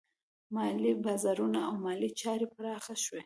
مالي بازارونه او مالي چارې پراخه شوې.